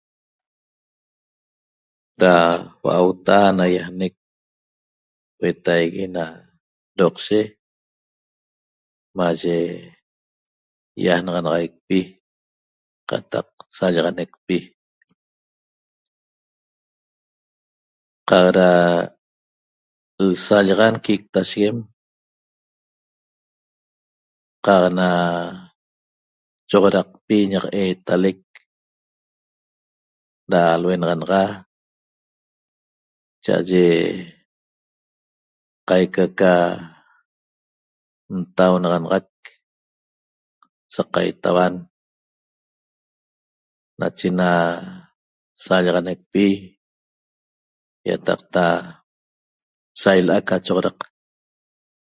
Da hua'auta naýajnec huetaigui na doqshe maye ýajnaxanaxaicpi qataq sallaxanecpi qaq da l'asallaxa nquictasheguem qaq na choxodacpi ñaq eetalec da luenaxanaxa cha'aye qaica ca ntaunaxanaxac sa qaitauan nache na sallaxanecpi ýataqta sa ila'a ca choxodaq